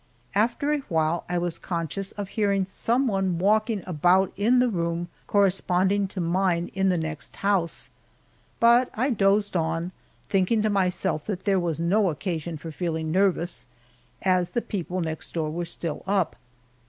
After a while I was conscious of hearing some one walking about in the room corresponding to mine in the next house, but I dozed on, thinking to myself that there was no occasion for feeling nervous, as the people next door were still up.